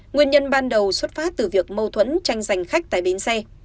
nguyên nhân ban đầu xuất phát từ việc mâu thuẫn tranh giành khách tại bến xe